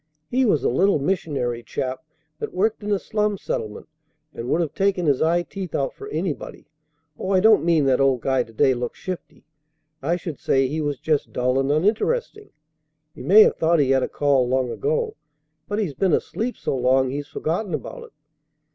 He was a little missionary chap that worked in a slum settlement and would have taken his eye teeth out for anybody. Oh, I don't mean that old guy to day looked shifty. I should say he was just dull and uninteresting. He may have thought he had a call long ago, but he's been asleep so long he's forgotten about it."